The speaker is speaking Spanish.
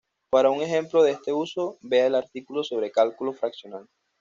Para un ejemplo de este uso, vea el artículo sobre cálculo fraccional.